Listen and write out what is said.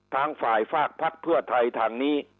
ทางฝ่ายฝากพักเพื่อไทยทางนี้